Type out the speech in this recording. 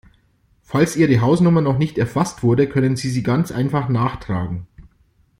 Falls Ihre Hausnummer noch nicht erfasst wurde, können Sie sie ganz einfach nachtragen.